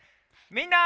みんな！